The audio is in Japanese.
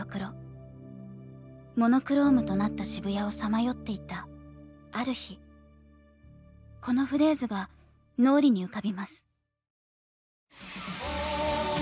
モノクロームとなった渋谷をさまよっていたある日このフレーズが脳裏に浮かびます。